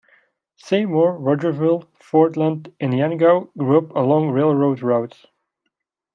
Seymour, Rogersville, Fordland and Niangua grew up along the railroad routes.